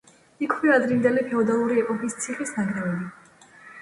იქვეა ადრინდელი ფეოდალური ეპოქის ციხის ნანგრევები.